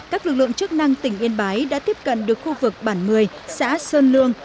các lực lượng chức năng tỉnh yên bái đã tiếp cận được khu vực bản mười xã sơn lương